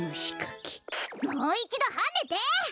もういちどはねて！